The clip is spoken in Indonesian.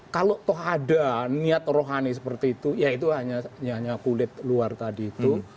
kalau toh ada niat rohani seperti itu ya itu hanya kulit luar tadi itu